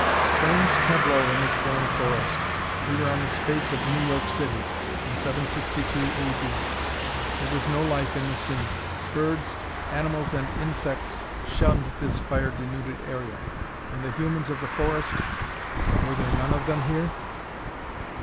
Strange tableau in this burned forest! We were on the space of New York City in 762 A. D. There was no life in the scene. Birds, animals and insects shunned this fire denuded area. And the humans of the forest were there none of them here?